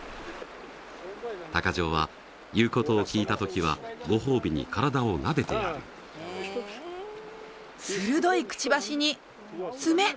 鷹匠は言うことを聞いたときはご褒美に体をなでてやるするどいクチバシにツメ！